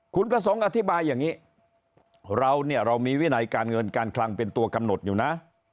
คุณประสงค์อธิบายอย่างนี้เราเนี่ยเรามีวินัยการเงินการคลังเป็นตัวกำหนดอยู่นะ